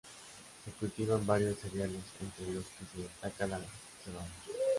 Se cultivan varios cereales, entre los que destaca la cebada.